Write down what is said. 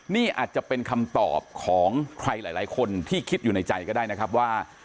นี่อาจจะเป็นคำตอบของใครหลายคนที่คิดอยู่ในใจก็ได้นะครับว่า